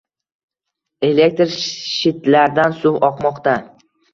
Elektr shitlardan suv oqmoqda.